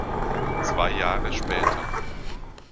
Zwei Jahre später.